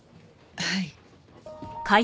はい。